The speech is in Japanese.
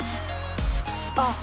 あっ！